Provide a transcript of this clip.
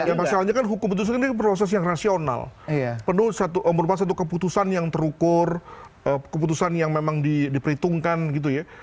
ya masalahnya kan hukum putusan ini proses yang rasional penuh merupakan satu keputusan yang terukur keputusan yang memang diperhitungkan gitu ya